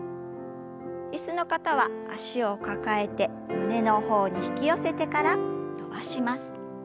椅子の方は脚を抱えて胸の方に引き寄せてから伸ばします。